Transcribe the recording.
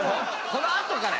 この後から！